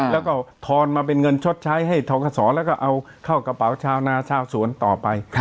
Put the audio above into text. แล้วก็ทอนมาเป็นเงินชดใช้ให้ทกศแล้วก็เอาเข้ากระเป๋าชาวนาชาวสวนต่อไป